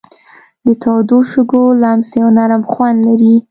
د تودو شګو لمس یو نرم خوند لري.